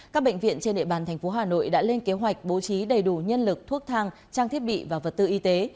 các bệnh viện trên địa bàn tp hcm đã lên kế hoạch bố trí đầy đủ nhân lực thuốc thang trang thiết bị và vật tư y tế